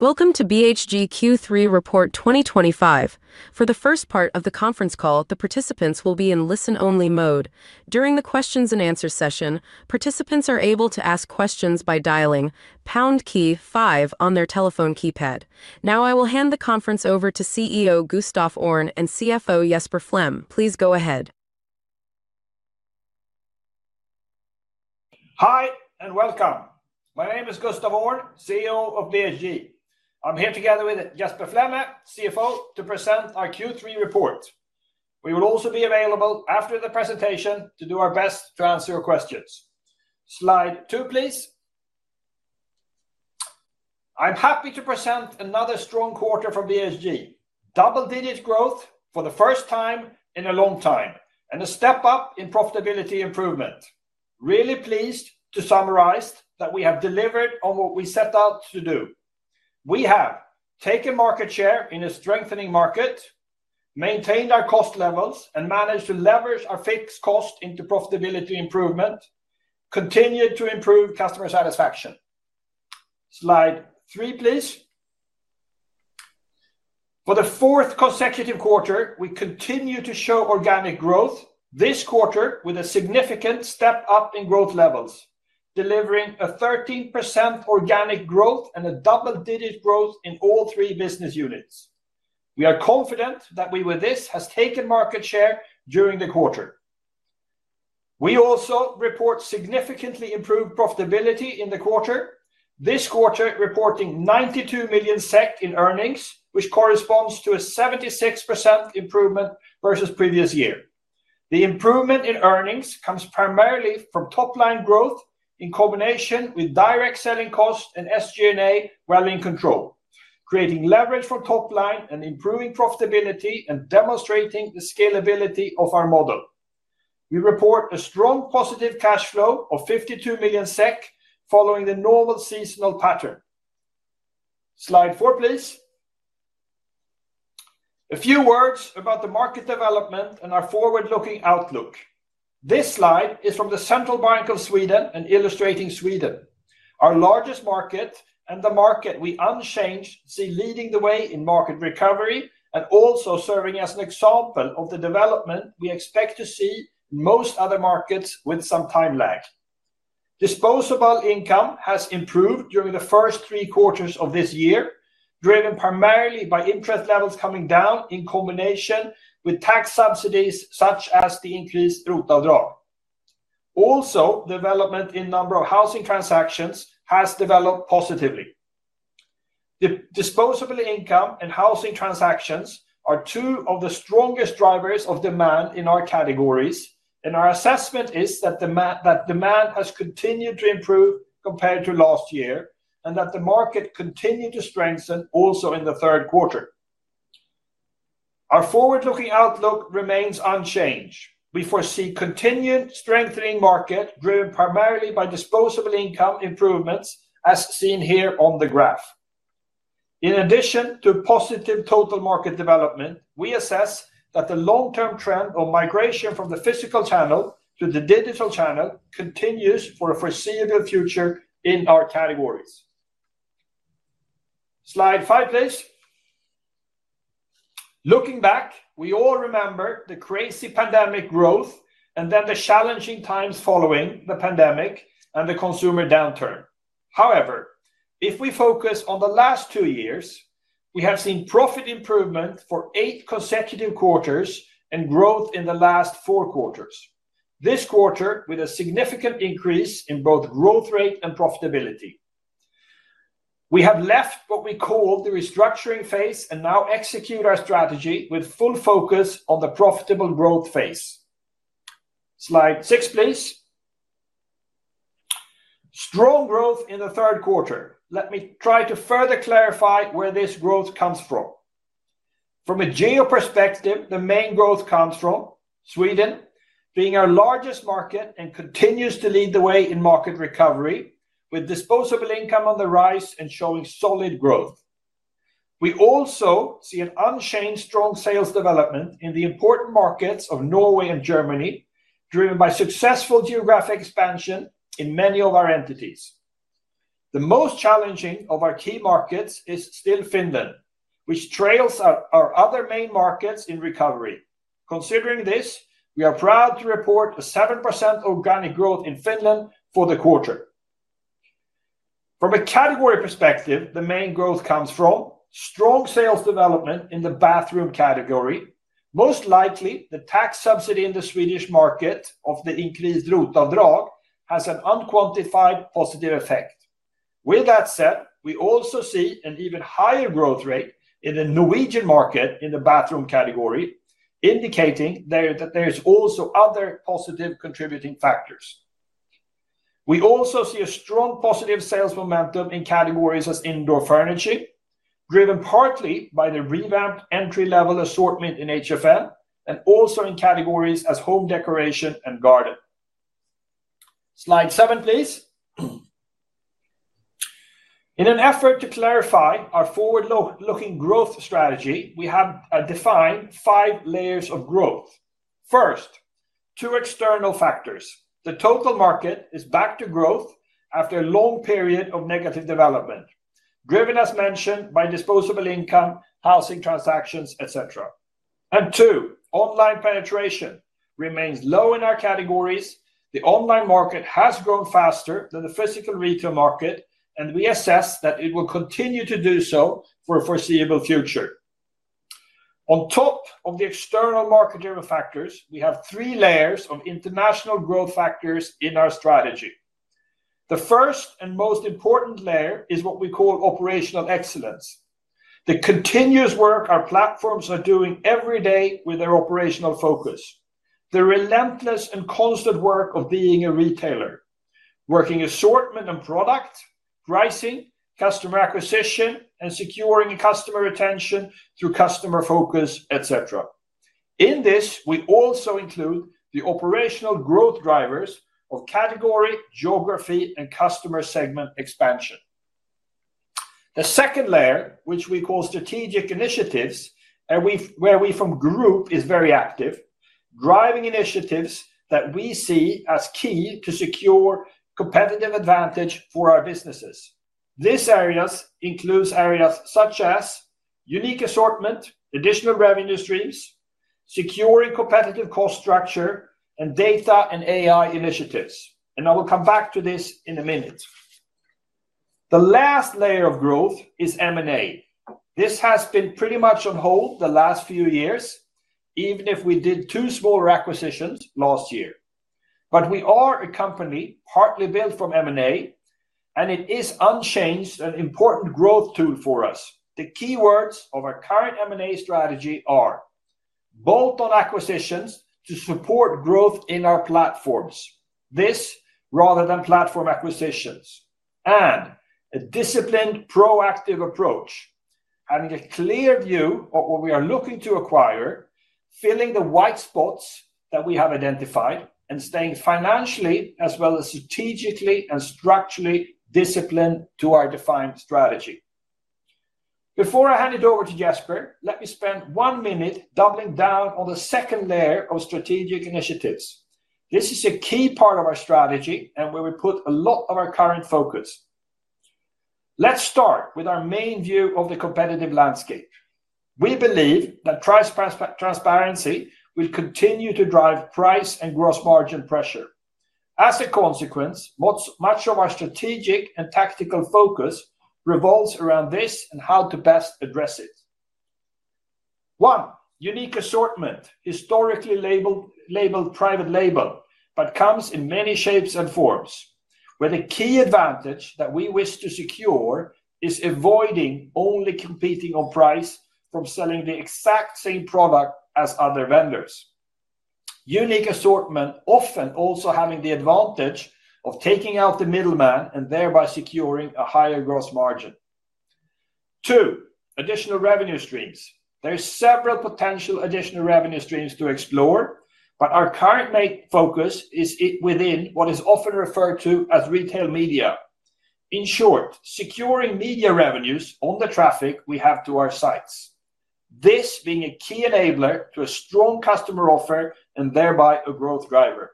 Welcome to BHG Q3 Report 2025. For the first part of the conference call, the participants will be in listen-only mode. During the questions and answers session, participants are able to ask questions by dialing pound key five on their telephone keypad. Now, I will hand the conference over to CEO Gustaf Öhrn and CFO Jesper Flemme. Please go ahead. Hi and welcome. My name is Gustaf Öhrn, CEO of BHG. I'm here together with Jesper Flemme, CFO, to present our Q3 report. We will also be available after the presentation to do our best to answer your questions. Slide two, please. I'm happy to present another strong quarter for BHG, double-digit growth for the first time in a long time, and a step up in profitability improvement. Really pleased to summarize that we have delivered on what we set out to do. We have taken market share in a strengthening market, maintained our cost levels, and managed to leverage our fixed cost into profitability improvement, and continued to improve customer satisfaction. Slide three, please. For the fourth consecutive quarter, we continue to show organic growth, this quarter with a significant step up in growth levels, delivering a 13% organic growth and a double-digit growth in all three business units. We are confident that we with this have taken market share during the quarter. We also report significantly improved profitability in the quarter, this quarter reporting 92 million SEK in earnings, which corresponds to a 76% improvement versus the previous year. The improvement in earnings comes primarily from top-line growth in combination with direct selling costs and SG&A well in control, creating leverage from top-line and improving profitability and demonstrating the scalability of our model. We report a strong positive cash flow of 52 million SEK following the normal seasonal pattern. Slide four, please. A few words about the market development and our forward-looking outlook. This slide is from the Central Bank of Sweden and illustrating Sweden, our largest market and the market we unchanged see leading the way in market recovery and also serving as an example of the development we expect to see in most other markets with some time lag. Disposable income has improved during the first three quarters of this year, driven primarily by interest levels coming down in combination with tax subsidies such as the increased route of draw. Also, the development in the number of housing transactions has developed positively. The disposable income and housing transactions are two of the strongest drivers of demand in our categories, and our assessment is that demand has continued to improve compared to last year and that the market continued to strengthen also in the third quarter. Our forward-looking outlook remains unchanged. We foresee continued strengthening market driven primarily by disposable income improvements, as seen here on the graph. In addition to positive total market development, we assess that the long-term trend of migration from the physical channel to the digital channel continues for a foreseeable future in our categories. Slide five, please. Looking back, we all remember the crazy pandemic growth and then the challenging times following the pandemic and the consumer downturn. However, if we focus on the last two years, we have seen profit improvement for eight consecutive quarters and growth in the last four quarters, this quarter with a significant increase in both growth rate and profitability. We have left what we call the restructuring phase and now execute our strategy with full focus on the profitable growth phase. Slide six, please. Strong growth in the third quarter. Let me try to further clarify where this growth comes from. From a geo-perspective, the main growth comes from Sweden, being our largest market and continues to lead the way in market recovery, with disposable income on the rise and showing solid growth. We also see an unchanged strong sales development in the important markets of Norway and Germany, driven by successful geographic expansion in many of our entities. The most challenging of our key markets is still Finland, which trails out our other main markets in recovery. Considering this, we are proud to report a 7% organic growth in Finland for the quarter. From a category perspective, the main growth comes from strong sales development in the bathroom category. Most likely, the tax subsidy in the Swedish market of the increased route of draw has an unquantified positive effect. With that said, we also see an even higher growth rate in the Norwegian market in the bathroom category, indicating that there are also other positive contributing factors. We also see a strong positive sales momentum in categories as indoor furniture, driven partly by the revamped entry-level assortment in HFM and also in categories as home decoration and garden. Slide seven, please. In an effort to clarify our forward-looking growth strategy, we have defined five layers of growth. First, two external factors: the total market is back to growth after a long period of negative development, driven as mentioned by disposable income, housing transactions, etc. Two, online penetration remains low in our categories. The online market has grown faster than the physical retail market, and we assess that it will continue to do so for a foreseeable future. On top of the external market-driven factors, we have three layers of international growth factors in our strategy. The first and most important layer is what we call operational excellence: the continuous work our platforms are doing every day with their operational focus, the relentless and constant work of being a retailer, working assortment and product, pricing, customer acquisition, and securing customer retention through customer focus, etc. In this, we also include the operational growth drivers of category, geography, and customer segment expansion. The second layer, which we call strategic initiatives, where we from the group is very active, driving initiatives that we see as key to secure competitive advantage for our businesses. These areas include areas such as unique assortment, additional revenue streams, securing competitive cost structure, and data and AI initiatives. I will come back to this in a minute. The last layer of growth is M&A. This has been pretty much on hold the last few years, even if we did two small acquisitions last year. We are a company partly built from M&A, and it is unchanged an important growth tool for us. The keywords of our current M&A strategy are: bolt-on acquisitions to support growth in our platforms, this rather than platform acquisitions, and a disciplined, proactive approach, having a clear view of what we are looking to acquire, filling the white spots that we have identified, and staying financially as well as strategically and structurally disciplined to our defined strategy. Before I hand it over to Jesper, let me spend one minute doubling down on the second layer of strategic initiatives. This is a key part of our strategy and where we put a lot of our current focus. Let's start with our main view of the competitive landscape. We believe that price transparency will continue to drive price and gross margin pressure. As a consequence, much of our strategic and tactical focus revolves around this and how to best address it. One, unique assortment, historically labeled private label, but comes in many shapes and forms, with a key advantage that we wish to secure is avoiding only competing on price from selling the exact same product as other vendors. Unique assortment often also having the advantage of taking out the middleman and thereby securing a higher gross margin. Two, additional revenue streams. There are several potential additional revenue streams to explore, but our current main focus is within what is often referred to as retail media. In short, securing media revenues on the traffic we have to our sites, this being a key enabler to a strong customer offer and thereby a growth driver.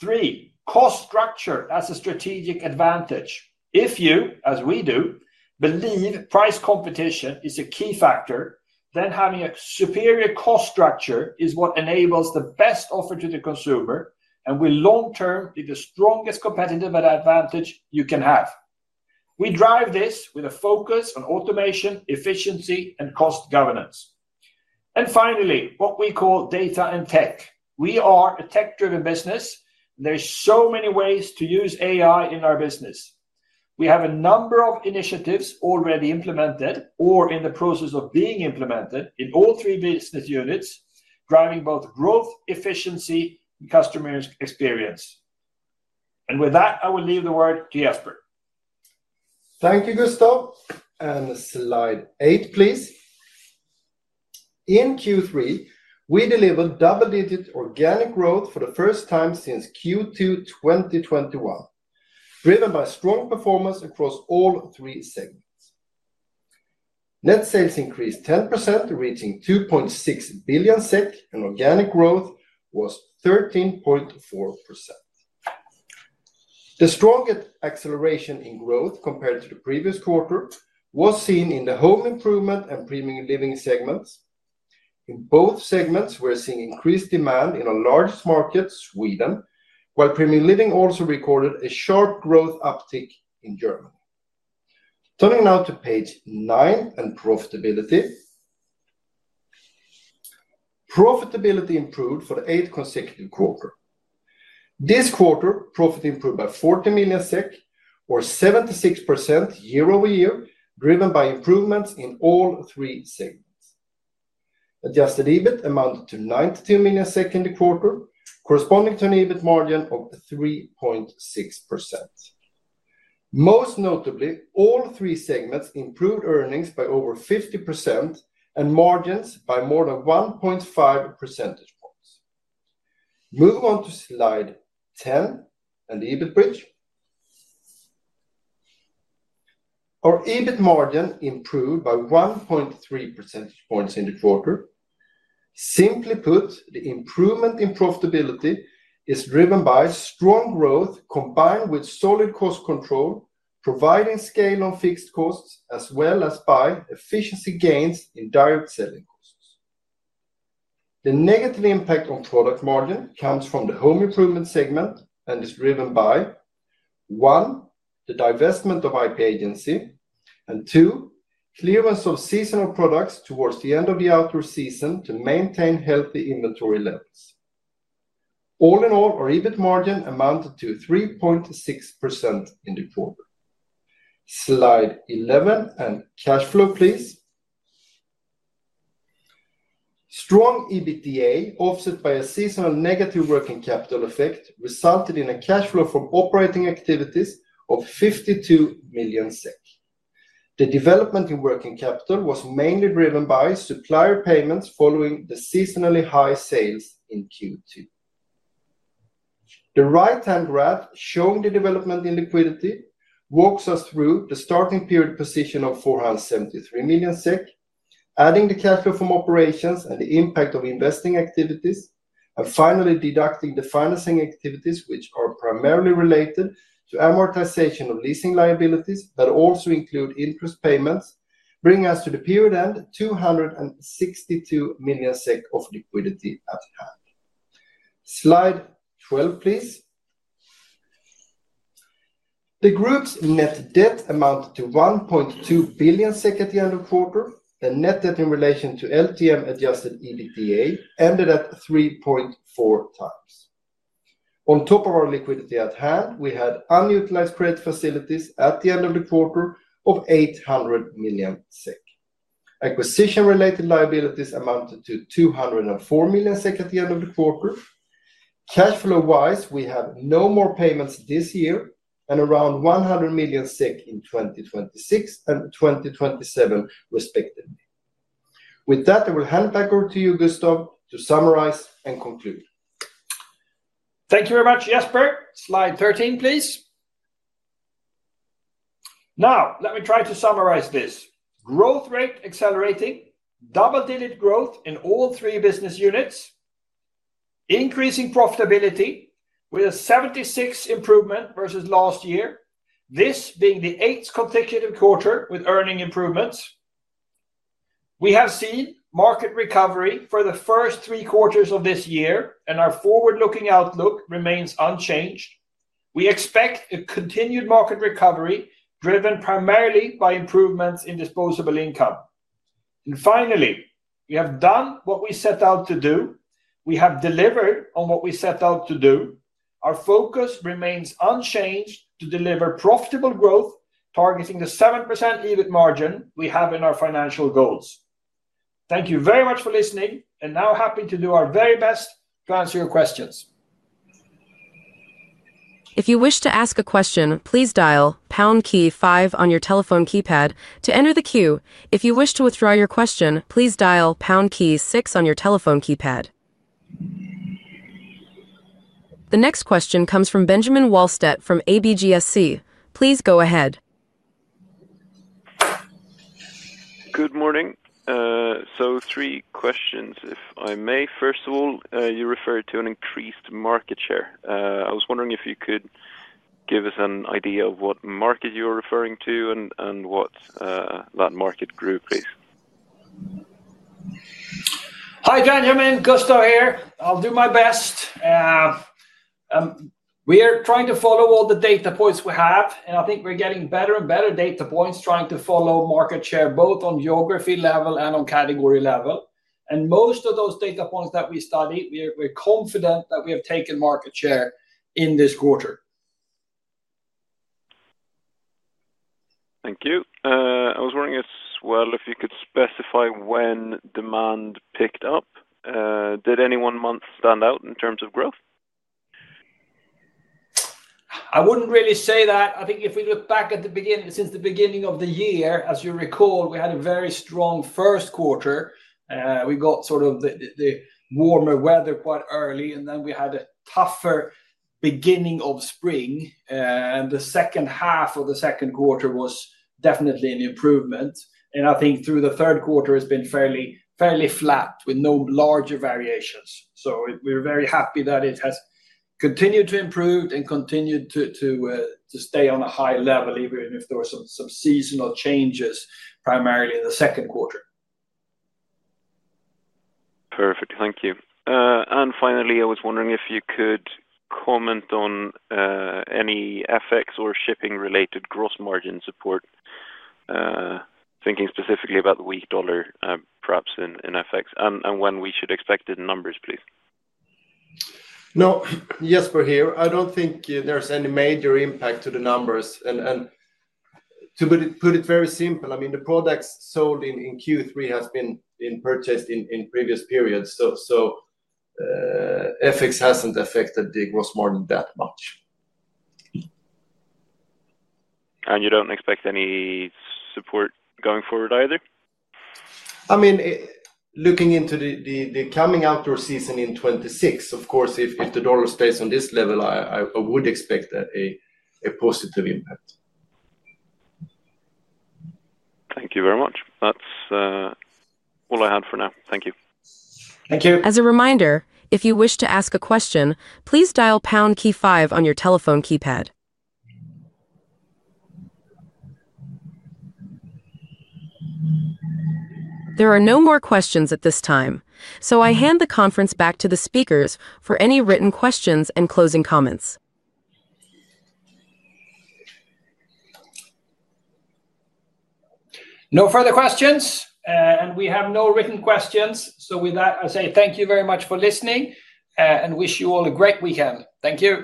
Three, cost structure as a strategic advantage. If you, as we do, believe price competition is a key factor, then having a superior cost structure is what enables the best offer to the consumer and will long-term be the strongest competitive advantage you can have. We drive this with a focus on automation, efficiency, and cost governance. Finally, what we call data and tech. We are a tech-driven business, and there are so many ways to use AI in our business. We have a number of initiatives already implemented or in the process of being implemented in all three business units, driving both growth, efficiency, and customer experience. With that, I will leave the word to Jesper. Thank you, Gustaf. Slide eight please. In Q3, we delivered double-digit organic growth for the first time since Q2 2021, driven by strong performance across all three segments. Net sales increased 10%, reaching 2.6 billion SEK, and organic growth was 13.4%. The strongest acceleration in growth compared to the previous quarter was seen in the Home Improvement and Premium Living segments. In both segments, we're seeing increased demand in our largest market, Sweden, while Premium Living also recorded a sharp growth uptick in Germany. Turning now to page nine and profitability. Profitability improved for the eighth consecutive quarter. This quarter, profit improved by 40 million SEK, or 76% year-over-year, driven by improvements in all three segments. Adjusted EBIT amounted to 92 million in the quarter, corresponding to an EBIT margin of 3.6%. Most notably, all three segments improved earnings by over 50% and margins by more than 1.5 percentage points. Move on to slide 10 and the EBIT bridge. Our EBIT margin improved by 1.3 percentage points in the quarter. Simply put, the improvement in profitability is driven by strong growth combined with solid cost control, providing scale on fixed costs as well as by efficiency gains in direct selling costs. The negative impact on product margin comes from the Home Improvement segment and is driven by, one, the divestment of IP-Agency and, two, clearance of seasonal products towards the end of the outdoor season to maintain healthy inventory levels. All in all, our EBIT margin amounted to 3.6% in the quarter. Slide 11 and cash flow, please. Strong EBITDA offset by a seasonal negative working capital effect resulted in a cash flow from operating activities of 52 million SEK. The development in working capital was mainly driven by supplier payments following the seasonally high sales in Q2. The right-hand graph showing the development in liquidity walks us through the starting period position of 473 million SEK, adding the cash flow from operations and the impact of investing activities, and finally deducting the financing activities, which are primarily related to amortization of leasing liabilities but also include interest payments, bringing us to the period end, 262 million SEK of liquidity at hand. Slide 12, please. The group's net debt amounted to 1.2 billion SEK at the end of the quarter, and net debt in relation to LTM adjusted EBITDA ended at 3.4x. On top of our liquidity at hand, we had unutilized credit facilities at the end of the quarter of 800 million SEK. Acquisition-related liabilities amounted to 204 million SEK at the end of the quarter. Cash flow-wise, we have no more payments this year and around 100 million in 2026 and 2027, respectively. With that, I will hand back over to you, Gustaf, to summarize and conclude. Thank you very much, Jesper. Slide 13, please. Now, let me try to summarize this: growth rate accelerating, double-digit growth in all three business units, increasing profitability with a 76% improvement versus last year, this being the eighth consecutive quarter with earning improvements. We have seen market recovery for the first three quarters of this year, and our forward-looking outlook remains unchanged. We expect a continued market recovery driven primarily by improvements in disposable income. Finally, we have done what we set out to do. We have delivered on what we set out to do. Our focus remains unchanged to deliver profitable growth, targeting the 7% EBIT margin we have in our financial goals. Thank you very much for listening, and now happy to do our very best to answer your questions. If you wish to ask a question, please dial pound key five on your telephone keypad to enter the queue. If you wish to withdraw your question, please dial pound key six on your telephone keypad. The next question comes from Benjamin Wahlstedt from ABGSC. Please go ahead. Good morning. Three questions, if I may. First of all, you referred to an increased market share. I was wondering if you could give us an idea of what market you are referring to and what that market grew, please. Hi, Benjamin. Gustaf here. I'll do my best. We are trying to follow all the data points we have, and I think we're getting better and better data points trying to follow market share both on geography level and on category level. Most of those data points that we study, we're confident that we have taken market share in this quarter. Thank you. I was wondering as well if you could specify when demand picked up. Did any one month stand out in terms of growth? I wouldn't really say that. I think if we look back at the beginning, since the beginning of the year, as you recall, we had a very strong first quarter. We got the warmer weather quite early, and we had a tougher beginning of spring. The second half of the second quarter was definitely an improvement. I think through the third quarter, it's been fairly flat with no larger variations. We're very happy that it has continued to improve and continued to stay on a high level, even if there were some seasonal changes primarily in the second quarter. Perfect. Thank you. Finally, I was wondering if you could comment on any FX or shipping-related gross margin support, thinking specifically about the weak dollar, perhaps in FX, and when we should expect it in numbers, please. No, Jesper here. I don't think there's any major impact to the numbers. To put it very simple, I mean, the products sold in Q3 have been purchased in previous periods. FX hasn't affected the gross margin that much. Do you expect any support going forward either? I mean, looking into the coming outdoor season in 2026, of course, if the dollar stays on this level, I would expect a positive impact. Thank you very much. That's all I had for now. Thank you. Thank you. As a reminder, if you wish to ask a question, please dial pound key five on your telephone keypad. There are no more questions at this time. I hand the conference back to the speakers for any written questions and closing comments. No further questions, and we have no written questions. With that, I say thank you very much for listening and wish you all a great weekend. Thank you.